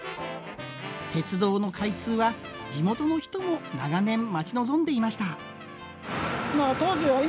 鉄道の開通は地元の人も長年待ち望んでいました。